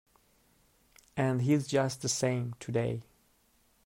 And he's just the same today.